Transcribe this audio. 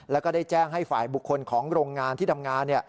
แล้วก็ได้แจ้งให้ฝ่ายบุคคลของโรงงานที่ทำงาน